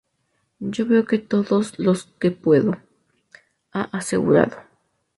Yo veo todos los que puedo", ha asegurado.